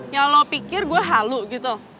ya lo pikir gue halo gitu